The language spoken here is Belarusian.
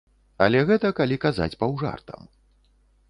Але гэта калі казаць паўжартам.